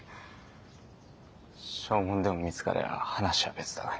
証文でも見つかりゃ話は別だが。